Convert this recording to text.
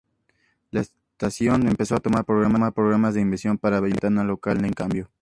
La estación empezó tomar programas de Imevisión para llenar la ventana local en cambio.